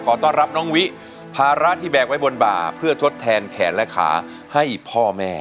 ต้อนรับน้องวิภาระที่แบกไว้บนบ่าเพื่อทดแทนแขนและขาให้พ่อแม่